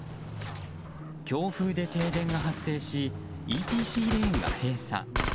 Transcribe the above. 強風で停電が発生しＥＴＣレーンが閉鎖。